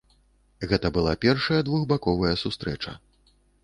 Гэта была першая двухбаковая сустрэча.